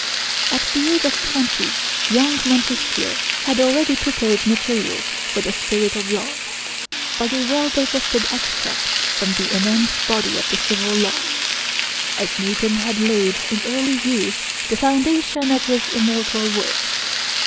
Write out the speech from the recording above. At the age of twenty, young Montesquieu had already prepared materials for the 'Spirit of Laws,' by a well digested extract from the immense body of the civil law; as Newton had laid in early youth the foundation of his immortal works.